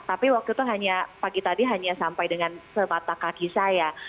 tapi waktu itu hanya pagi tadi hanya sampai dengan semata kaki saya